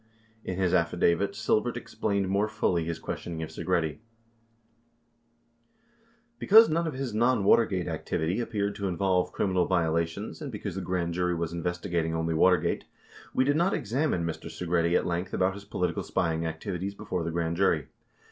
50 In his affidavit, Silbert explained more fully his questioning of Segretti : Because none of his non Watergate activity appeared to involve criminal violations and because the grand jury was investigating only Watergate, we did not examine Mr. Se gretti at length about his political spying activities before the grand jury.